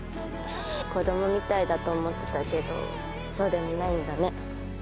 子どもみたいだと思ってたけどそうでもないんだね。